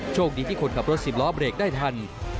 โชคดีที่คนขับรถสิบล้อเบรกได้ทัน